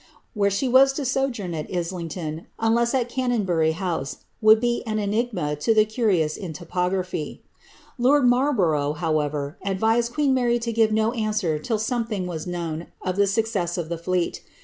^^ Where she was to sojourn at Islingtoo, unless at CaiKinbury housc, would be an enigma to the curious in topt^ graphy. Lord Marlborough, however, advised queen Mary to give no answer till something was known of the success of the fleet.